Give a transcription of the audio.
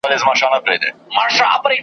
یوازي تقریظونه لیکل او شاباس ویل رواج لري .